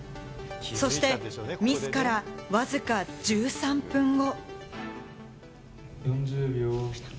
そしてミスからわずか１３分後。